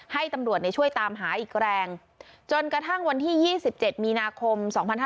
ให้ตำรวจช่วยตามหาอีกแรงจนกระทั่งวันที่๒๗มีนาคม๒๕๕๙